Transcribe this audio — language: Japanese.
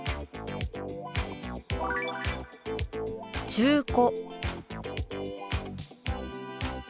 「中古」。